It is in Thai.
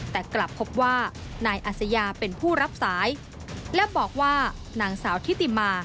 แต่กลับพบว่านายอัศยาเป็นผู้รับสายและบอกว่านางสาวทิติมา